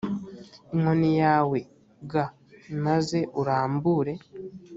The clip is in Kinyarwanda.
inkoni yawe g maze urambure